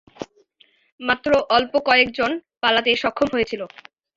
মাত্র অল্প কয়েকজন পালাতে সক্ষম হয়েছিল।